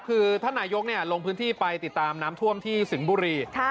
คือท่านนายกลงพื้นที่ไปติดตามน้ำท่วมที่สิงห์บุรี